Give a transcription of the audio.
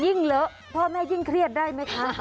เลอะพ่อแม่ยิ่งเครียดได้ไหมคะ